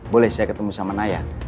boleh saya ketemu sama naya